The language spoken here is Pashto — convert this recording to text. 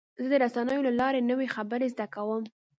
زه د رسنیو له لارې نوې خبرې زده کوم.